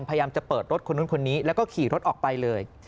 พยายามจะเปิดรถคนนู้นคนนี้แล้วก็ขี่รถออกไปเลย